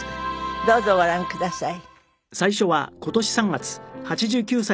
どうぞご覧ください。